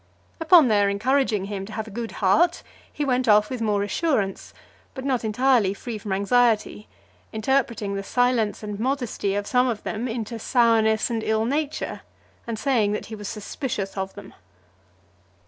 Upon their encouraging him to have a good heart, he went off with more assurance, but not entirely free from anxiety; interpreting the silence and modesty of some of them into sourness and ill nature, and saying that he was suspicious of them.